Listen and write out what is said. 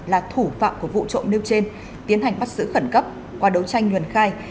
là thủ phạm của vụ trộm nêu trên tiến hành bắt giữ khẩn cấp qua đấu tranh nhuần khai